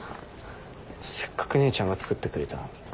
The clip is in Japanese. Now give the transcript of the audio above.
せっかく姉ちゃんが作ってくれたのに。